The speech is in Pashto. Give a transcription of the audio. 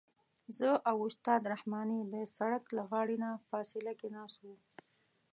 زه او استاد رحماني د سړک له غاړې نه فاصله کې ناست وو.